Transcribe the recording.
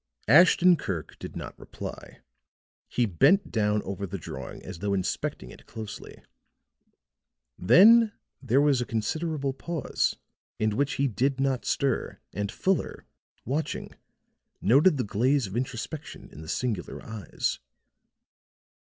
Ashton Kirk did not reply; he bent down over the drawing as though inspecting it closely; then there was a considerable pause in which he did not stir and Fuller, watching, noted the glaze of introspection in the singular eyes.